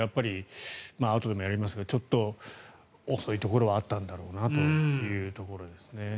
あとでもやりますけどちょっと遅いところはあったんだろうなというところですね。